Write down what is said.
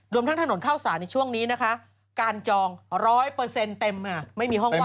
รวมทั้งถนนเข้าสารในช่วงนี้นะคะการจอง๑๐๐เต็มค่ะ